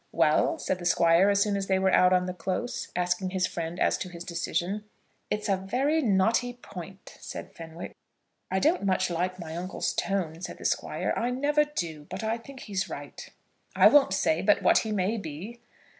"Well?" said the Squire, as soon as they were out in the Close, asking his friend as to his decision. "It's a very knotty point," said Fenwick. "I don't much like my uncle's tone," said the Squire; "I never do. But I think he is right." "I won't say but what he may be."